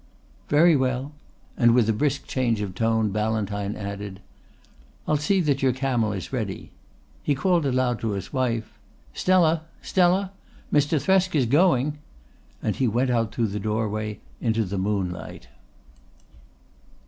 "Very well." And with a brisk change of tone Ballantyne added: "I'll see that your camel is ready." He called aloud to his wife: "Stella! Stella! Mr. Thresk is going," and he went out through the doorway into the moonlight.